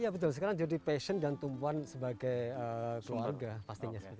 iya betul sekarang jadi passion dan tumpuan sebagai keluarga pastinya